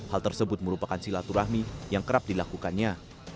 hal tersebut merupakan silaturahmi yang kerap dilakukannya